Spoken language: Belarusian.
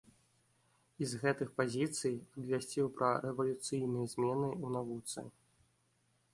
І з гэтых пазіцый абвясціў пра рэвалюцыйныя змены ў навуцы.